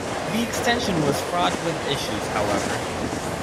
The extension was fraught with issues, however.